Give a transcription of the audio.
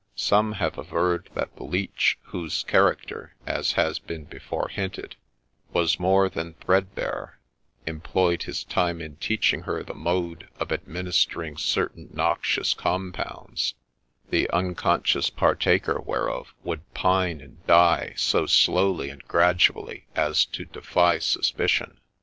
Some have averred that the Leech, whose character, as has been before hinted, was more than threadbare, employed his time in teaching her the mode of administering certain noxious compounds, the unconscious partaker whereof would pine and die so slowly and gradually as to defy suspicion.